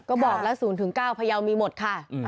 ก็บอกแล้ว๐๙พยาวมีหมดค่ะ